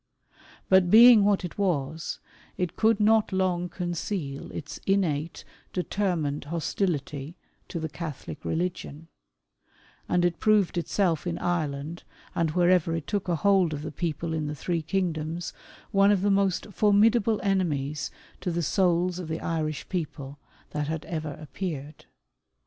But being what it was, it could not long conceal its innate, determined hostility to the Catholic religion ; and it proved itself in Treland, and wherever it took a hold of the people in the three kingdoms, one of the most formidable enemies to the souls of the Irish people that had ever appeared.